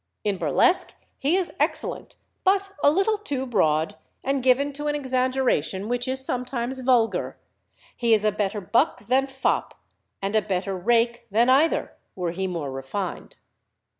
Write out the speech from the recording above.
In burlesque he is excellent, but a little too broad, and given to an exaggeration which is sometimes vulgar. He is a better buck than fop, and a better rake than either, were he more refined."